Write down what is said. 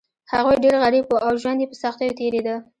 هغوی ډیر غریب وو او ژوند یې په سختیو تیریده.